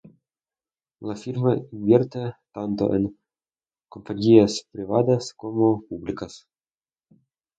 La firma invierte tanto en compañías privadas como públicas.